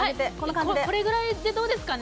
これぐらいでどうですかね？